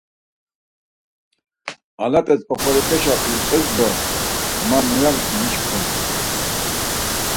Alet̆es oxorepeşe ulut̆es da ma muya mişǩun?